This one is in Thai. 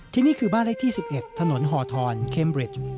ทีนี้คือบ้านเลขที่๑๑ถนนห่อธรณ์เคมบริจ